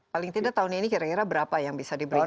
paling tidak tahun ini kira kira berapa yang bisa diberikan